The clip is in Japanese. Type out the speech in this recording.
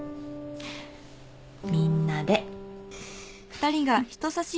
みんなで。